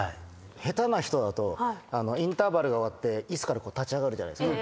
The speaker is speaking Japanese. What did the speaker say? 下手な人だとインターバルが終わって椅子から立ち上がるじゃないですか。